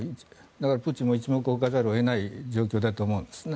だからプーチンも一目置かざるを得ない状況だと思うんですね。